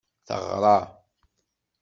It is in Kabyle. Teɣra.